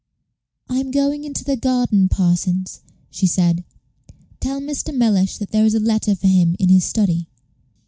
"I am going into the garden, Parsons," she said; "tell Mr. Mellish that there is a letter for him in his study."